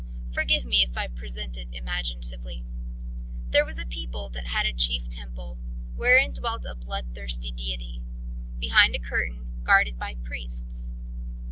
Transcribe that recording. Forgive me if I present it imaginatively. There was a people that had a chief temple, wherein dwelt a bloodthirsty deity, behind a curtain, guarded by priests.